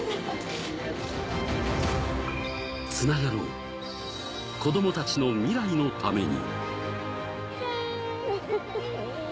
つながろう、子どもたちの未来のために。